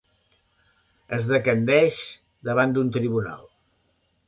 Es decandeix davant d'un tribunal.